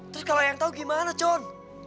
terus kalau yang tahu gimana john